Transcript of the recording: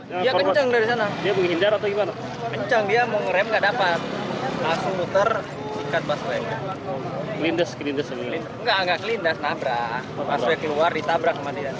pas pulang kencang juga dari sana